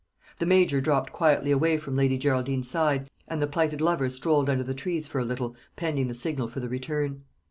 The major dropped quietly away from Lady Geraldine's side, and the plighted lovers strolled under the trees for a little, pending the signal for the return.